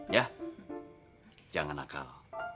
ya jangan nakal